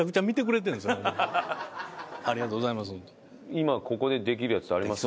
今ここでできるやつあります？